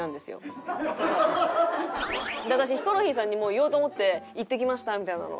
私ヒコロヒーさんにもう言おうと思って行ってきましたみたいなのを。